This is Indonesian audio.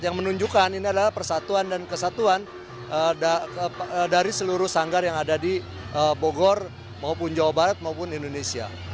yang menunjukkan ini adalah persatuan dan kesatuan dari seluruh sanggar yang ada di bogor maupun jawa barat maupun indonesia